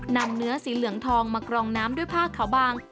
นำเนื้อสีเหลืองทองมากรองน้ำด้วยผ้าขาวบาง